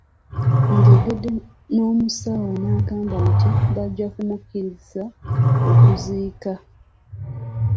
Njogedde n’omusawo n’agamba nti bajja kumukkiriza okuziika.